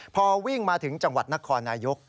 พอวิ่งมาถึงจังหวัดนครนายก